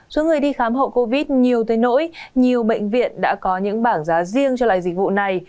số người đi khám hậu covid nhiều tới nỗi nhiều bệnh viện đã có những bảng giá riêng cho loại dịch vụ này